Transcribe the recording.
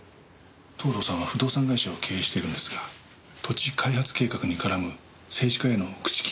藤堂さんは不動産会社を経営しているんですが土地開発計画に絡む政治家への口利き料だそうです。